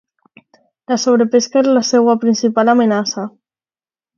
La sobrepesca és la seua principal amenaça.